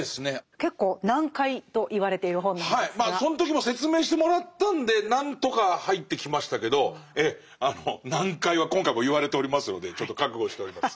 その時も説明してもらったんで何とか入ってきましたけどええ難解は今回も言われておりますのでちょっと覚悟しております